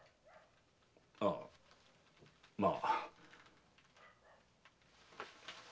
ああまあ。